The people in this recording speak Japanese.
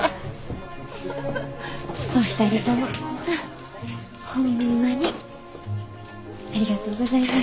お二人ともホンマにありがとうございます。